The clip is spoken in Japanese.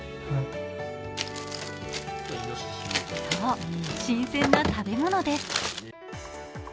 そう、新鮮な食べ物です。